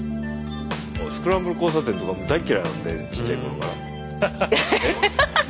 スクランブル交差点とか大っ嫌いなんでちっちゃい頃から。